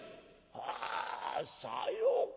「はあさようか。